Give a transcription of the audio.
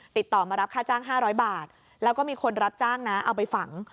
ติดต่อมารับค่าจ้าง๕๐๐บาทแล้วก็มีคนรับจ้างนะเอาไปฝัง